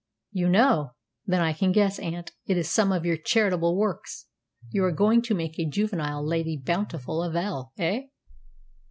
"You know! Then I can guess, aunt, it is some of your charitable works. You are going to make a juvenile Lady Bountiful of El, eh?"